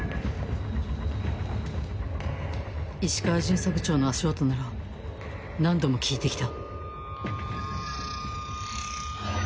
石川巡査部長の足音なら何度も聞いて来た